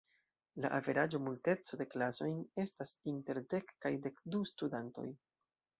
La averaĝo multeco de klasojn estas inter dek kaj dek du studantoj.